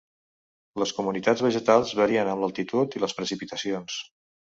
Les comunitats vegetals varien amb l'altitud i les precipitacions.